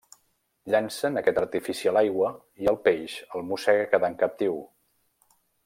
Llancen aquest artifici a l'aigua i el peix el mossega quedant captiu.